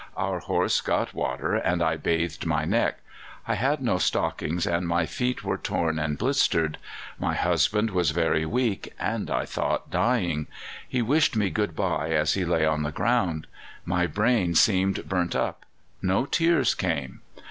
Our horse got water and I bathed my neck. I had no stockings and my feet were torn and blistered. My husband was very weak, and, I thought, dying. He wished me good bye as he lay on the ground. My brain seemed burnt up: no tears came.